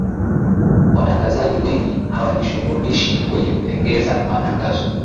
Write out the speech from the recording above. watangazaji wengi hawajishughulishi kwenye kutengeza tangazo